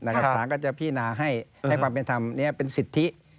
สารก็จะพินาให้ความเป็นธรรมนี้เป็นสิทธิ